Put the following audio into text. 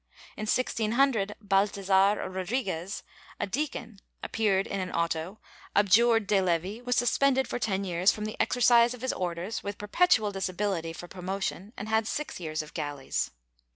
In 1600, Balthasar Rodriguez, a deacon, appeared in an auto, abjured de levi, was suspended for ten years from the exercise of his orders, with per petual disability for promotion, and had six years of galleys.